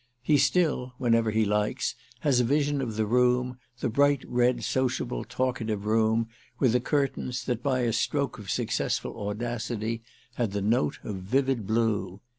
He still, whenever he likes, has a vision of the room, the bright red sociable talkative room with the curtains that, by a stroke of successful audacity, had the note of vivid blue.